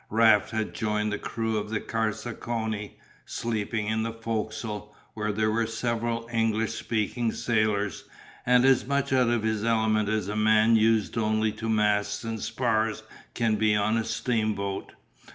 Raft had joined the crew of the Carcassonne, sleeping in the foc's'le, where there were several English speaking sailors, and as much out of his element as a man used only to masts and spars can be on a steamboat.